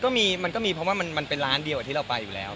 มันก็มีเพราะว่ามันเป็นร้านเดียวกับที่เราไปอยู่แล้ว